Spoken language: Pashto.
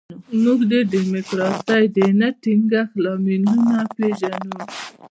موږ د ډیموکراسۍ د نه ټینګښت لاملونه پېژنو.